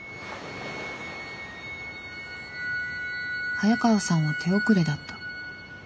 早川さんは手遅れだった。